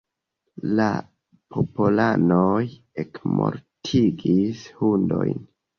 La popolanoj ekmortigis hundojn.